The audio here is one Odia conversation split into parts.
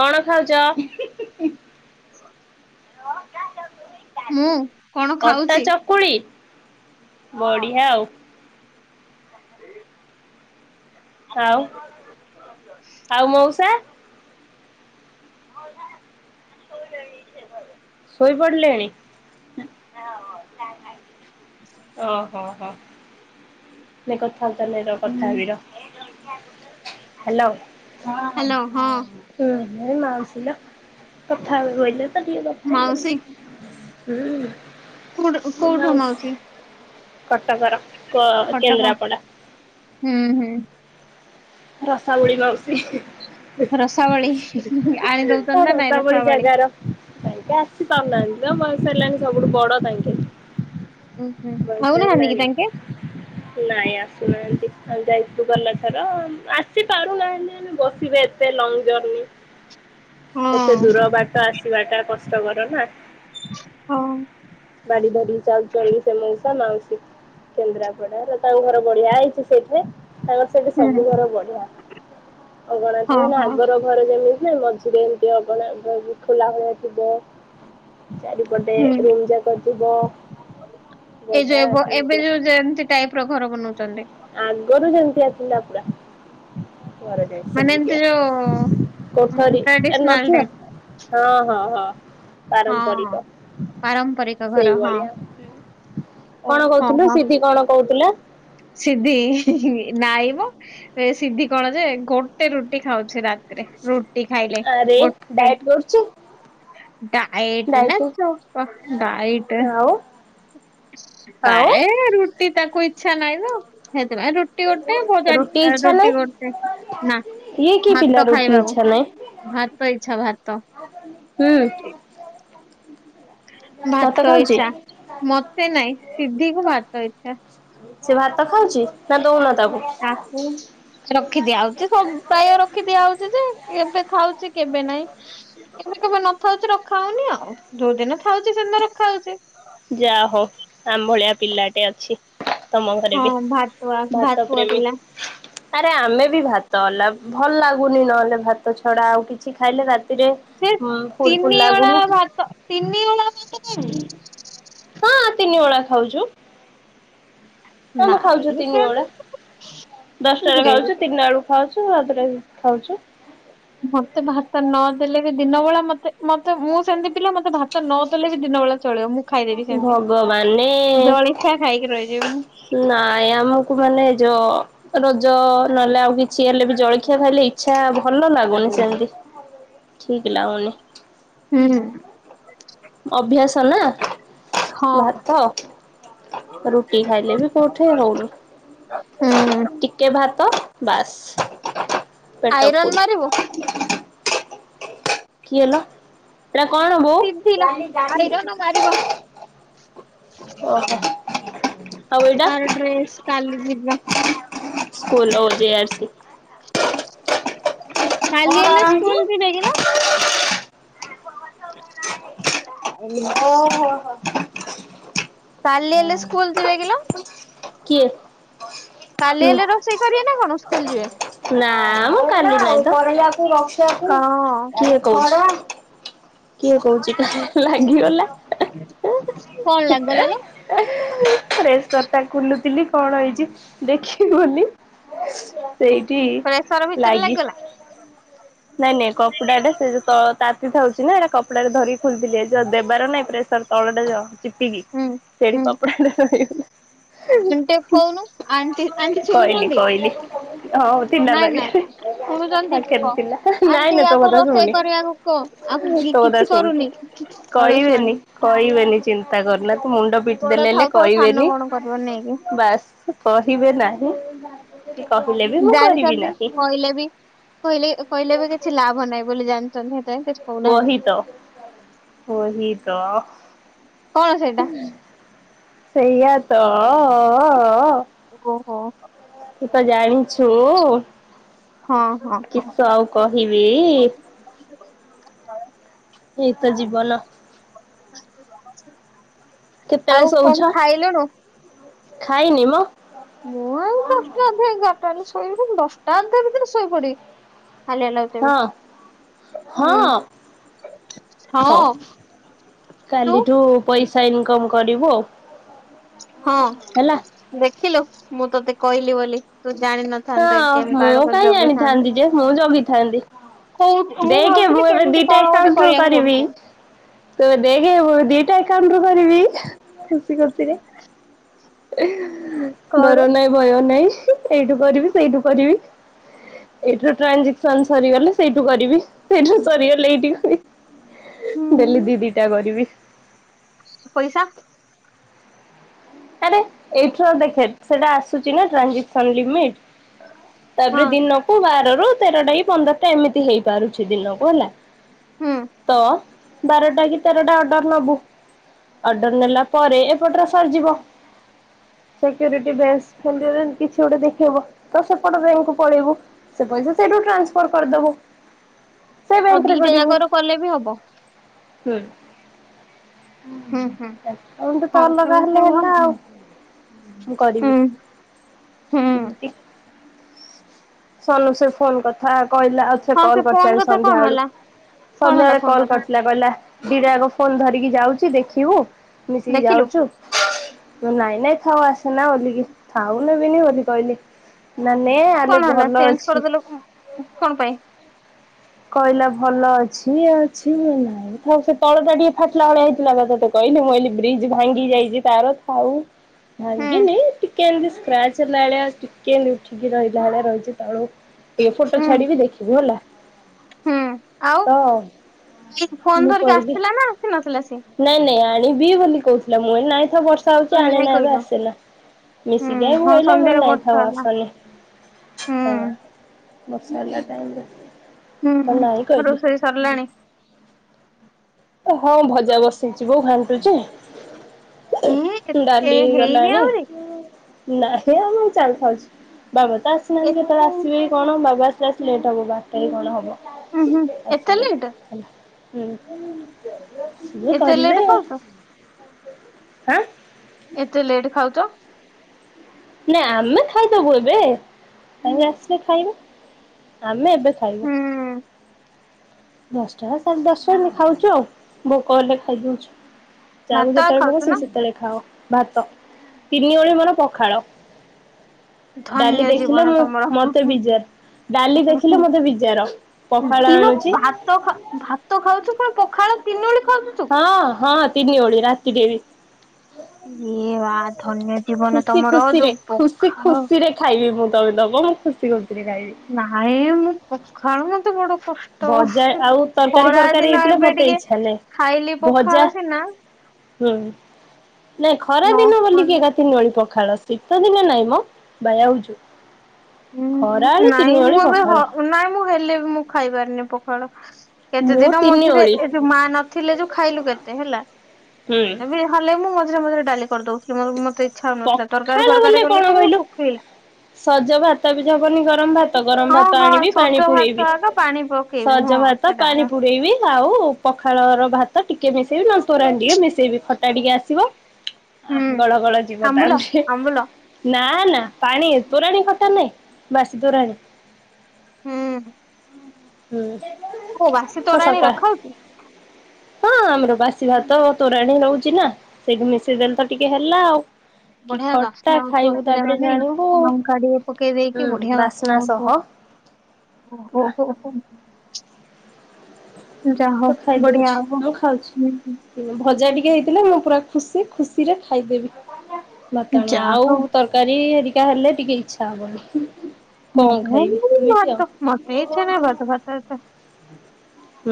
କଣ ଖାଉଚ? ମୁଁ କଣ ଅଟା ଖାଉଛି? ଚକୁଳି ବଢ଼ିଆ ଆଉ। ଆଉ-ଆଉ ମଉସା। ମଉସା ଶୋଇଲେଣି। ଶୋଇପଡିଲେଣି। ଓହୋ ହୋ। ନେ କଥା ଆର୍ତା ନେ ରହ କଥା ହେବି ରହ ହ୍ୟାଲୋ। ହଁ ହୁଁ ଏ ମାଉସୀ ଲୋ କଥା ହେବେ କହିଲେ। ମାଉସୀ [unintelligible] ହୁଁ କୋଉଠୁ ମୋ କୋଉଠୁ ମାଉସୀ। କଟକର କ କଟକ କେନ୍ଦ୍ରାପଡା ହୁଁ ହୁଁ। ରସାବଳି ମାଉସୀ। ହଁ ରସାବଳି ଆଣି ଦଉଛନ୍ତି ନା ନାଇଁ ରସାବଳି ଜାଗାର। ତାଙ୍କେ ଆସି ପାରୁନାହାନ୍ତି ବୟସ ହେଲାଣି ସବୁଠୁ ବଡ ତାଙ୍କେ। ଉଁ ହୁଁ ବୟସ ଖାଉନାହାନ୍ତି କି ହେଲାଣି। ତାଙ୍କେ? ନାଇଁ ଆସୁନାହାନ୍ତି, ଆମେ ଯାଇଥିଲୁ ଗଲା ଥର ଆସି ପାରୁନାହାନ୍ତି। ମାନେ ବସିବେ ଏତେ ଲଙ୍ଗ ଜର୍ନି ଏତେ ହଁ ଦୂର ବାଟ ଆସିବାଟା କଷ୍ଟକର ନାଁ। ହଁ। ବାଡି ଧରିକି ଚାଲୁଚନ୍ତି ସେ ମଉସା ମାଉସୀ। କେନ୍ଦ୍ରାପଡାରେ ତାଙ୍କ ଘର ବଢିଆ ହେଇଚି, ସେଇଠି ତାଙ୍କ ସେଠି ହୁଁ ସବୁ ଘର ବଢିଆ। ହଁ ଅଗଣାଠୁ ହଁ ଆଗର ଘର ଯେମିତିଆ ମଝିରେ ଏମିତି ଅଗଣା [unintelligible] ଖୋଲା ଭଳିଆ ଥିବ ଚାରିପଟେ ଗୋଟେ ହୁଁ। ରୁମ୍ ଯାକ ଥିବ। ଏଇ ବଢିଆ ଯୋଉ ଏବୋ ଏବେ ସେମିତିଆ ଯୋଉ ଯେମତି ଟାଇପ୍ ର ଘର ବନଉଚନ୍ତି। ଆଗରୁ ସେମିତିଆ ଥିଲା ପୁରା ଘର। ମାନେ ଏମତି ସେମିତିଆ ଯୋଉ କୋଠରୀ ଏ ଟ୍ରାଡିସନାଲ ନଥିଲା। ଟାଇପ ହଁ ହଁ ହଁ, ହଁ ପାରମ୍ପରିକ ପାରମ୍ପରିକ ଘର ହଁ ସେଇଭଳିଆ। ଓ କଣ ହଁ କହୁଥିଲ? ହଁ ସିଧି କଣ କହୁଥିଲା? ସିଧି ନାଇଁ ମ! ଏ ସିଧି କଣ ଯେ ଗୋଟେ ରୁଟି ଖାଉଛି ରାତିରେ ରୁଟ୍ ରୁଟି ଖାଇଲେ ଆରେ ଗୋଟେ। ଡାଏଟ କରୁଛି ଡାଏଟ୍ ନା ଡାଏଟ ଚୋପା ଡାଏଟେ। ଆଉ ଆଉ ପାଏ ରୁଟି ତାକୁ ଇଚ୍ଛା ନାଇଁ ତ ସେଥିପାଇଁ ରୁ ରୁଟି ଗୋଟେ ଭଜାକ୍ ରୁଟି ଏ ଇଚ୍ଛା ନାହିଁ ରୁଟି ଗୋଟେ ନା ଇଏ କି ପିଲା ଭାତ ରୁଟି ଖାଇବାକୁ ଇଚ୍ଛା ନାହିଁ ଭାତ ଇଚ୍ଛା ଭାତ। ହୁଁ। ଭାତ ଇଚ୍ଛା, ମତେ ନାଇଁ ସିଧିକୁ ଭାତ ଇଚ୍ଛା। ସିଏ ଭାତ ଖାଉଚି, ନାଁ ଦଉନ ତାକୁ। ତାକୁ ରଖି ଦିଆ ହଉଚି, ସବୁ ପ୍ରାୟ ରଖି ଦିଆହଉଚି ଯେ, କେବେ ଖାଉଛି କେବେ ନାଇଁ। କେବେ କେବେ ନଥାଉଚି ରଖା ହଉନି ଆଉ, ଯୋଉ ଦିନ ଥାଉଚି ସେଦିନ ରଖା ହଉଚି। ଯାହାହଉ ଆମ ଭଳିଆ ପିଲାଟେ ଅଛି। ତମ ଘରେ ହଁ ବି, ଭାତୁଆ ଭାତ ଭାତୁଆ ପ୍ରେମି। ପିଲା ଆରେ ଆମେ ବି ଭାତ ହେଲା ଭଲ୍ ଲାଗୁନି ନହେଲେ ଭାତ ଛଡା ଆଉ କିଛି ଖାଇଲେ ରାତ୍ ତିରେ ହୁଁ ଫୁଲ୍ ଫୁଲ୍ ଲାଗୁନି କି ତ ତିନି ଓଳା ଭାତ ଖାଇବେ। ହଁ ତିନି ଓଳା ଖାଉଚୁ। ଆମେ ଖାଉଚୁ ନାଇଁ ତିନି ଓଳା ଦଶଟାରେ ସେମିତି ଖାଉଚୁ ତିନିଟାବେଳକୁ ଖାଉଚୁ [unintelligible] ଖାଉଚୁ। ମତେ ଭାତ ନ ଦେଲେ ବି ଦିନବଳା ମତେ ମତେ ମୁଁ ସେମତି ପିଲା ମତେ ଭାତ ନ ଦେଲେ ବି ଦିନବଳା ଚଳିବ ମୁଁ ଖାଇଦେବି ସେମତି। ଭଗବାନେ ଜଳିଖିଆ ଖାଇକି ରହିଯିବି ମୁଁ। ନାଇଁ ଆମକୁ ମାନେ ଯୋଉ ରଜ ନହେଲେ ଆଉ କିଛି ହେଲେବି ଜଳଖିଆ ଖାଇଲେ ଇଚ୍ଛା ଭଲ ଲାଗୁନି ସେମତି। ଠିକ ଲାଗୁନି। ହୁଁ ହୁଁ। ଅଭ୍ୟାସ ନା ହଁ ଭାତ। ରୁଟି ଖାଇଲେ ବି କୋଉଠୁ ହଉନି ହୁଁ। ଟି ଟିକେ ଭାତ ବାସ୍ ପେଟ ଆଇରନ୍ ଫୁଲ। ମାରିବ କିଏ ଲ? ଏଇଟା କଣ ବୋଉ? [unintelligible] ଆରେଇ ଦିଅ [unintelligible] ମାରିବ। ଓହୋ ତାର ଡ୍ରେସ୍ କାଲି ଯିବ। ସ୍କୁଲର ଓଜେ [unintelligible] କାଲି ହେଲେ ସ୍କୁଲ ଯିବେ କିଲୋ? [inaudible] କାଲି ହେଲେ ସ୍କୁଲ ଯିବେ କିଲ? କିଏ? କାଲି ହେଲେ ରୋଷେଇ କରିବେ ନା କଣ ସ୍କୁଲ ଯିବେ? ନା ମ କାଲି ନାହିଁ ତ। କଣ କିଏ କହୁଛି? କିଏ କହୁଛି କାହାର ଲାଗିଗଲା କଣ ହେ ଏ। ଲାଗିଗଲା ଲୋ? ଫ୍ରେଶରଟା ଖୁଲୁଥିଲି କଣ ହେଇଛି ଦେଖିବି ବୋଲି ସେଇଠି ପ୍ରେସର ଭିତରେ ଲାଗି ଲାଗିଗଲା? ନାଇଁ ନାଇଁ କପଡାଟା ସେ ଯଉ ତଳ ତାତି ଥାଉଛି ନା ଏଇଟା କପଡାରେ ଧରି ଖୋଲୁଥିଲି ଯ ଦେବାର ନାଇଁ ପ୍ରେଶ୍ ର ତଳଟା ଯ ଚିପିକି ହୁଁ ସେଇଠି କପଡ଼ାଟା ରହିଗଲା। ଆଣ୍ଟିକୁ କହୁନୁ ଆଣ୍ଟି ଆଣ୍ଟି କହିଲି ଶୁଣୁଛନ୍ତି? କହିଲି ହଉ ଥିଲା ନାଇଁ ପାଖରେ ନାଇଁ ଶୁଣୁଛନ୍ତି [unintelligible] ପାଖରେ କହ? ଥିଲା ନାଇଁ ଆଣ୍ଟି ନାଇଁ ତୋ ୟାକୁ କଥା ରୋଷେଇ ଶୁଣୁନି କରିବାକୁ କହ ଆକୁ ଇଏ ତୋ କଥା କିଛି ଶୁଣୁନି। କରୁନି କହିବେନି ଅଳସୁଆଣି। କହିବେନି ଚିନ୍ତା କରନା ତୁ ମୁଣ୍ଡ ପିଟି ବଡ ଦେଲେ ହେଲେ ଥାଉ ଥାଉ ସାନ କହିବେନି କଣ କରିବ ନେଇକି ବାସ୍। କହିବେ ନାହିଁ କି କହିଲେ ବି ମୁଁ କରିବି ଜାଣିଛନ୍ତି ନାହିଁ। କହିଲେ ବି କହିଲେ କହିଲେ ବି କିଛି ଲାଭ ନାହିଁ ବୋଲି ଜାଣିଛନ୍ତି ହେଥିପାଇଁ କିଛି କହୁନାହାନ୍ତି କହିତ ଓହି ତ କଣ ସେଇଟା? ସେଇଆ ତ ଅ ଅ ଅ ଅ ଅ ଓହୋ। ତୁ ତ ଜାଣିଛୁଁ ହଁ ହଁ ହଁ। କିସ ଆଉ କହିବି। ଏଇତ ଜୀବନ। କେତେବେଳେ ଆଉ ଶୋଉଛ କଣ ଖାଇଲୁଣୁ? ଖାଇନି ମ। ମୁଁ ଆଉ ଦଶଟା ଅଧେ ଏଗାରଟା ହେଲେ ଶୋଇବି ଦଶଟା ଅଧେ ଭିତରେ ଶୋଇପଡିବି ହାଲିଆ ଲାଗୁଛି। ଏବେ। ହଁ। ହୁଁ ହଁ। ହଉ ହଁ ତୁ କାଲିଠୁ ପଇସା ଇନକମ୍ କରିବୁ ଆଉ। ହଁ ହେଲା। ଦେଖିଲୁ ମୁଁ ତୋତେ କହିଲି ବୋଲି ତୁ ଜାଣିନ ହଁ ମୁଁ କାହିଁ ଜାଣିଥାନ୍ତି ଯେ ମୁଁ ଜଗିଥାନ୍ତି। ହଉ ମୁଁ ଦେଖେ ଭାବୁଥିଲି ମୁଁ ଏବେ କେମିତି ଦିଟା କଣ ଗୋଟେ ଏକାଉଣ୍ଟରୁୁ କରିବାକୁ କରିବି। ପଡୁଛି। ତୁ ଦେଖେ ମୁଁ ଏବେ ଦିଟା ଆକାଉଣ୍ଟରୁ କରିବି ଖୁସି ଖୁସିରେ। କରେ ଡର ନାହିଁ ଭୟ ନାହିଁ ଏଇଠୁ କରିବି ସେଇଠୁ କରିବି। ଏଇଠୁ ଟ୍ରାଞ୍ଜିକ୍ସନ୍ ସରିଗଲେ ସେଇଠୁ କରିବି ସେଇଠୁ ସରିଗଲେ ଏଇଠି କ ଡେଲି ହୁଁ। ଦି ଦିଟା କରିବି। ପଇସା ଆରେ ଏଇଠୁ ଆଉ ଦେଖେ ସେଟା ଆସୁଛି ନା ଟ୍ରାଞ୍ଜିକ୍ସନ୍ ଲିମିଟ୍ ହଁ। ତାପରେ ଦିନକୁ ବାର ରୁ ତେରଟା କି ପନ୍ଦରଟା ଏମିତି ହେଇପାରୁଛି ଦିନକୁ ହେଲା। ହଁ। ତ ବାରଟା କି ତେରଟା ଅର୍ଡର ନବୁ। ଅର୍ଡର ନେଲା ପରେ ଏପଟରେ ସରିଯିବ। ସିକ୍ୟୁରିଟି ବେସ୍ [inaudible] କିଛି ଗୋଟେ ଦେଖେଇବ ତ ସେପଟ ବ୍ୟାଙ୍କ କୁ ପଳେଇବୁ। ସେ ପଇସା ସେଇଠୁ ଟ୍ରାନ୍ସଫର କରିଦବୁ ସେ ଆଉ ବ୍ୟାଙ୍କରେ ଦିଟା କରିବୁ। ଜାକର କଲେ ବି ହବ। ହଁ ହୁଁ ହୁଁ। ଏମତି ତ ହଁ ଅଲଗା ହେଲେ ସେମିତି ହେଲା। ହୁଅ ଥାଉ ମୁଁ କରିବି ହୁଁ ହୁଁ ଏମିତି ସୋନୁ ସେ ଫୋନ କଥା କହିଲା ଅଛ ସେ ହଁ କଲ୍ କରିଥିଲା ଫୋନ ବି କଥା ସନ୍ଧ୍ୟା କଣ ବେଳୁ ହେଲା କଣ ସନ୍ଧ୍ୟା ହେଲା ବେଳେ ଫୋନ କଲ୍ କଥା କରିଥିଲା କହିଲା ଦିଟା ଯାକ ଫୋନ ଧରିକି ଯାଉଛି ଦେଖିବୁ ମିଶିକି ଦେଖିଲୁ ଯାଉଛୁ ନାଇଁ ନାଇଁ ଥାଉ ଆସନା ବୋଲିକି ଥାଉ ନେବିନି ବୋଲି କହିଲି। ନା ନେ ଆଲେ କଣ ହେଲା ଭଲ ଚେଞ୍ଜ ଅଛି। କରିଦେଲ କଣ କଣ ପାଇଁ? କହିଲା ଭଲ ଅଛି ଇଏ ଅଛି ଇଏ ନାହିଁ। ଆଉ ସେ ତଳ ଟା ଟିକେ ଫାଟିଲା ଭଳିଆ ହେଇଥିଲା ବା ତତେ କହିଲି ମୁଁ କହିଲି ବ୍ରିଜ୍ ଭାଙ୍ଗି ଯାଇଛି ତାର ଥାଉ। ହୁଁ ଭାଙ୍ଗିନି ଟିକେ ଏମତି ସ୍କ୍ରାଚ ହେଲା ଭଳିଆ ଟିକେ ଏମତି ଉଠିକି ରହିଲା ଭଳିଆ ରହିଛି ତଳକୁ। ଏପଟ ଛାଡିବି ଦେଖିବୁ ହେଲା। ହଁ ଆଉ ତ ଇଏ ଫୋନ ମୁଁ ଧରିକି କହିଲି ଆସିଥିଲା ନା ଆସି ନଥିଲା ସିଏ? ନାଇଁ ନାଇଁ ଆଣିବି ବୋଲି କହୁଥିଲା ମୁଁ କହିଲି ନାଇଁ ଥାଉ ବର୍ଷା ଥାଉ ସେ ତୁ ନାଇଁ ଆଣେନା ଏବେ କହିଲୁ ଆସିଲା ହୁଁ ହଁ ମିଶିକି [inaudible] ସନ୍ଧ୍ୟାରେ ନାଇଁ ଥାଉ ବର୍ଷା ହେଲା ଆସନି। ହୁଁ ହଁ ବର୍ଷା ହେଲା ଟାଇମ ହୁଁ ରେ ନାଁଇ ହୁଁ କହିଲି। ରୋଷେଇ ସରିଲାଣି ଓ ହଁ ଭଜା ବସେଇଛି ବୋଉ ଘାଣ୍ଟୁଛି। ହେ ଏ ଡାଲି ହେଇ ହେଇନି ଗଲାଣି ଆହୁରି ନାହିଁ ଆମେ [inaudible] ବାବା ତ ଆସିନାହାନ୍ତି ଏତେ କେତେବେଳେ ଉଁ ଆସିବେ କି କଣ ବାବା ଆସୁ ଆସୁ ଲେଟ୍ ହବ ବାରଟା କି କଣ ହବ। ମ ହଁ ଏତେ ଆସିବେ ଲେଟ। ହେଲା ହଁ ସିଏ ଏତେ କରିବେ ଲେଟ୍ ଖାଉଛ ଆଁ। ଏତେ ଲେଟ୍ ଖାଉଛ? ନାଇଁ ଆମେ ଖାଇଦବୁ ଏବେ ସେ ଆସିଲେ ଖାଇବେ ଆମେ ଏବେ ଖାଇବା। ହୁଁ ଦଶଟା ସାଢ୍ ଦଶଟା ଏନ୍ତି ଖାଉଛୁ ଆଉ ଭୋକ ହେଲେ ଖାଇଦଉଛୁ। ଯାହାକୁ ଭାତ ଏକା ଯେତେବେଳେ ଭୋକ ଖାଉଛ ସେ ନା ସେତେବେଳେ ଖାଅ ଭାତ ତିନି ଓଳି ମୋର ପଖାଳ। ଡାଲି ଧନ୍ୟ ଦେଖିଲେ ଜୀବନ ମୁଁ ତମର ହୁଁ ମତେ ହୁଁ ବିଜାର। ଡାଲି ହୁଁ ଦେଖିଲେ ମତେ ବିଜାର ହୁଁ ପଖାଳ ଏଇ ବା ଆଣୁଛି ଭାତ ଖା ଭାତ ଖାଉଛୁ ପୁଣି ପଖାଳ ତିନି ଉଳି ଖାଉଚୁ ତୁ। ହଁ, ହଁ, ତିନି ଓଳି ରାତିରେ ବି। ଏ ବା ଧନ୍ୟ ଜୀବନ ଖୁସି ତମର ଖୁସିରେ ଯୋଉ ଖୁସି ପଖାଳ। ଖୁସିରେ ଖାଇବି ମୁଁ ତ ଦବ ମୁଁ ଖୁସି ଖୁସିରେ ଖାଇବି। ନାଇଁ ମୁଁ ପଖାଳ ମତେ ବଡ କ ଭଜା ଆଉ ତରକାରୀ ଫରକାରୀ ହେଇଥିଲେ ଏବେ ମତେ ଟିକେ ଇଚ୍ଛା ହେଲେ ଖାଇଲି ଭଜା। ପଖାଳ ସିନା ହୁଁ, ନାଇ ଖରା ଦିନ ନହେଲେ ବୋଲିକି ଏକା ତିନି ଓଳି ପଖାଳ। ଶୀତ ଦିନେ ନାଇଁ ମ ବାୟା ହଉଛୁ। ହଁ ଖରାବେଳେ ତିନି ନାଇଁ ମୁଁ ଓଳି ଏବେ ପଖାଳ ହଁ ନାଇଁ ମୁଁ ହେଲେ ମୁଁ ଖାଇପାରୁନି ପଖାଳ। କେତେ ମୁଁ ଦିନ ତିନି ମଝିରେ ଓଳି ଏ ଯୋଉ ମା ନ ଥିଲେ ଯୋଉ ଖାଇଲୁ କେତେ ହେଲା ହୁଁ ହେଲେବି। ହେଲେ ମୁଁ ମଝିରେ ମିଝିରେ ଡାଲି କରି ଦଉଛି। ମୋର ମତେ ଇଚ୍ଛା ହଉ ନଥିଲା ତରକାରୀ ପଖାଳ ବୋଲେ ଫରକାରୀ କଲେ କଣ ତ ମୁଁ କହିଲୁ ଶୁଖେଇଲି। ସଜ ଭାତ ବି ହବନି ଗରମ ଭାତ ଗରମ ହଁ ଭାତ ହଁ ଆଣିବି ପାଣି ସଜ ଭାତ ପୁରେଇବି ଆଗ ପାଣି ପକେଇବୁ ସଜ ହଁ ଭାତ ସେଟା ପାଣି ଆଗ ପୁରେଇବି। ଆଉ ପଖାଳ ର ଭାତ ଟିକେ ମିଶେଇବି ନା ତୋରାଣୀ ଟିକେ ମିଶେଇବି ଖଟା ଟିକେ ଆସିବ। ହୁଁ ଆହା ଗଳ ଗଳ ଯିବ ଆମ୍ବୁଲ ତାହେଲେ। ଆମ୍ବୁଲ ନା ନା ପାଣି ତୋରାଣୀଖଟା ରେ ନାଇଁ ବାସି ତୋରାଣୀ। ହୁଁ। ହୁଁ ଓ ବାସି ହ ତୋରାଣୀ ସକା [inaudible] ରଖା ହଉଛି? ହଁ ଆମର ବାସି ଭାତ ତୋରାଣୀ ରହୁଛି ନା ସେଇଠି ମିଶେଇଦେଲେ ତ ଟିକେ ହେଲା ଆଉ। କି ବଢିଆ ଖଟା ବାସ୍ନା ହୋଉଥିବ। ଖାଇବୁ ସେ ତାପରେ ଜାଗାରେ ନାଇ ଜାଣିବୁ। ନକାଟିକେ ପକେଇ ହୁଁ ଦେଇକି ବଢିଆ ବାସ୍ନା ସହ ହୋଉଥିବ। ଓ ହୋ ପୁରା ହୋ ହୋ ତ ଯହୋଉ ଖାଇଦଉଛି ବଢିଆ ହବ। ମୁଁ ଖାଉଛି। ଭଜା ଟିକେ ହେଇଥିଲେ ମୁଁ ପୁରା ଖୁସି ଖୁସିରେ ଖାଇଦେବି। ଭତାଣିଆ ଯାହା ଆଉ ହଉ ତରକାରୀ ହେରିକା ହେଲେ ଟିକେ ଇଛା ହବନି। କମ୍ ଖାଇବି ମତେ ଏମିତି ଆଉ ଭାତ ମତେ ଇଚ୍ଛା ନାହିଁ ଭାତ ଭାତ ଏତେ।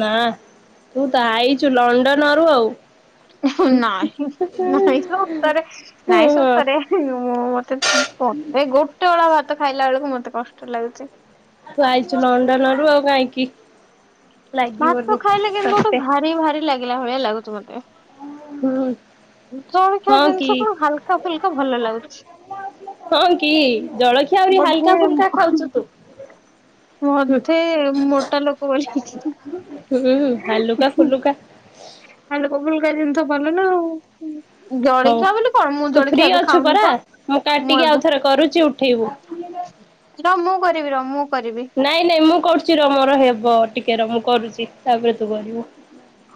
ନା ତୁ ତ ଆଇଛୁ ଲଣ୍ଡନରୁ ଆଉ। ନାଇଁ ନାଇଁ ସତରେ ହୁଁ ନାଇଁ ହଁ ସତରେ। ମତେ ପଟେ ସେଇ ଗୋଟେ ବେଳା ଭାତ ଖାଇଲା ବେଳକୁ ମତେ କଷ୍ଟ ଲାଗୁଛି। ତୁ ଆଇଚୁ ଲଣ୍ଡନ ରୁ ଆଉ କାହିଁକି? ଲାଗିବନି ଭାତ ଖାଇଲେ କେମିତି ଗୋଟେ ତତେ ଭାରି ଭାରି ଲାଗିଲା ଭଳିଆ ଲାଗୁଛି ମତେ। ହୁଁ ଜଳିଖିଆ ହଁ କି ଜିନିଷ କଣ ହାଲକା ଫୁଲକା ଭଲ ଲାଗୁଛି। ହଁ କି ଜଳଖିଆ ଆହୁରି ବୋଧେ ହାଲକା ଫୁଲକା ଖାଉଛୁ ତୁ? ହୁଁ ବଧେ ମୋଟା ଲୋକ ବୋଲିକି? ହୁଁ ହାଲୁକା ଫୁଲୁକା। ହାଲୁକା ଫୁଲଗା ଜିନିଷ ଭଲ ନା ଆଉ ହଉ। ଜଳଖିଆ ବୋଲି କଣ ମୁଁ ତୁ ଫ୍ରି ଜଳଖିଆ ଏବେ ଅଛୁ ଖାଉନି ପରା ତ ମୁଁ କାଟିକି ଏବେ ଆଉଥରେ କରୁଛି ଉଠେଇବୁ। ର ମୁଁ କରିବି ର ମୁଁ କରିବି। ନାଇଁ ନାଇଁ ମୁଁ କରୁଛି ର ମୋର ହେବ ଟିକେ ର ମୁ କରୁଛି ତାପରେ ତୁ କରିବୁ।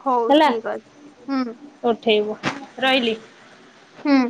ହଉ ହେଲା ଠିକ ଅଛି। ହୁଁ ଉଠେଇବୁ ରହିଲି। ହୁଁ